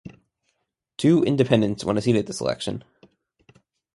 Two independents won seats at this election.